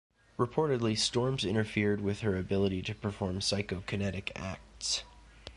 Reportedly, storms interfered with her ability to perform psychokinetic acts.